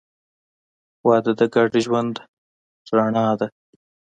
• واده د ګډ ژوند رڼا ده.